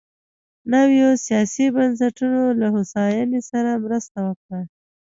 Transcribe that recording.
نویو سیاسي بنسټونو له هوساینې سره مرسته وکړه.